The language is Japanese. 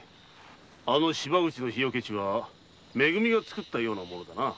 あの芝口の火除け地はめ組が作ったようなものだな。